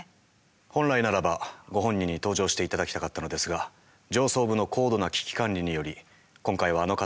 本来ならばご本人に登場していただきたかったのですが上層部の高度な危機管理により今回はあの形を取らせていただきました。